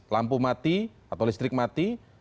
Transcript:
lampu mati atau listrik mati